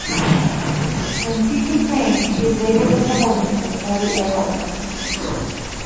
When T complains, he is labeled a troublemaker by the airline company.